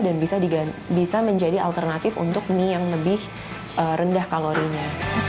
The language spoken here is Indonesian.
dan bisa menjadi alternatif untuk mie yang rendah kalorinya